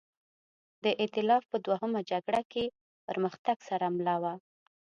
د اېتلاف په دویمه جګړه کې پرمختګ سره مله وه.